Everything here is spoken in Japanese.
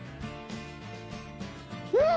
うん！